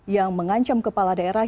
yang mengancam kepala daerah